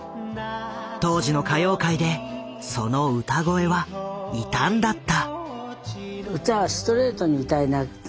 当時の歌謡界でその歌声は異端だった。